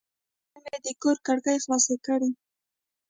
نن مې د کور کړکۍ خلاصې کړې.